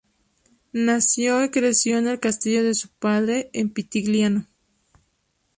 Nació y creció en el castillo de su padre en Pitigliano.